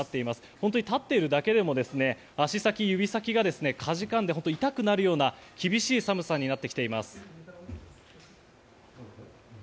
本当に立っているだけでも足先、指先がかじかんで痛くなるような厳しい寒さになってきています。